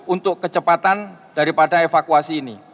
untuk kecepatan daripada evakuasi ini